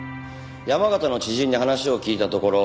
山形の知人に話を聞いたところ